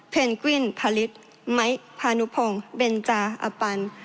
เพนกวินพลิตไหม้พานุพงแบนจาอปัน